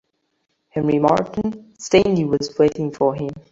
Henry Morton Stanley was waiting for him.